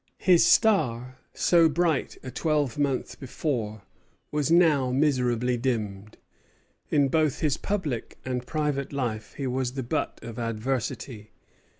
His star, so bright a twelvemonth before, was now miserably dimmed. In both his public and private life he was the butt of adversity.